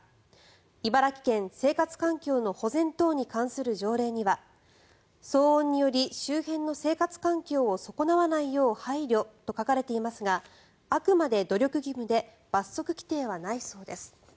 茨城県生活環境の保全等に関する条例には騒音により周辺の生活環境を損なわないよう配慮と書かれていますがあくまで努力義務で罰則規定はないそうです。